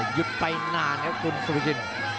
หยุดไปนานครับคุณสุภาชิน